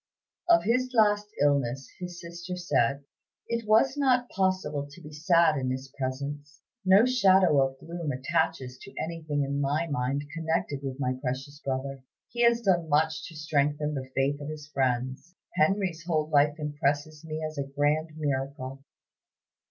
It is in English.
Of his last illness his sister said: "It was not possible to be sad in his presence. No shadow of gloom attaches to anything in my mind connected with my precious brother. He has done much to strengthen the faith of his friends. Henry's whole life impresses me as a grand miracle."